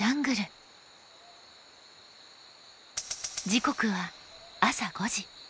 時刻は朝５時。